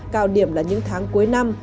cao điểm là những tháng cuối năm